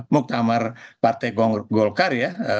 muktamar partai golkar ya